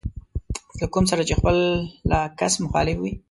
له کوم سره چې خپله کس مخالف وي.